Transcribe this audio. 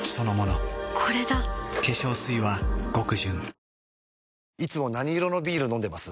いたわいたわいつも何色のビール飲んでます？